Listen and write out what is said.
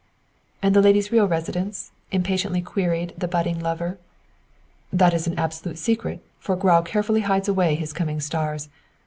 "And the lady's real residence?" impatiently queried the budding lover. "That is an absolute secret, for Grau carefully hides away his coming stars.